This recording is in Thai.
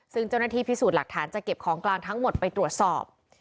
ซึ่งเจ้าหน้าที่พิสูจน์หลักฐานจะเก็บของกลางทั้งหมดไปตรวจสอบ